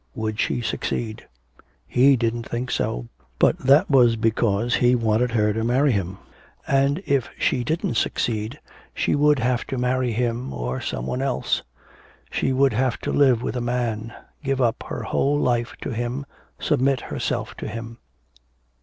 Would she succeed? He didn't think so, but that was because he wanted her to marry him. And, if she didn't succeed, she would have to marry him or some one else. She would have to live with a man, give up her whole life to him, submit herself to him.